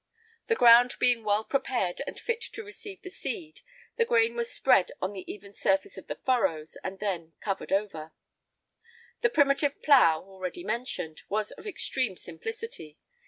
[I 30] The ground being well prepared and fit to receive the seed, the grain was spread on the even surface of the furrows, and then covered over.[I 31] The primitive plough, already mentioned, was of extreme simplicity.